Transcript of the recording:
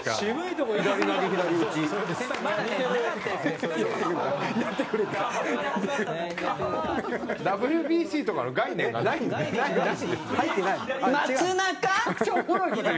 藤田：ＷＢＣとかの概念がないんだよ。